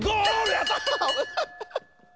やった！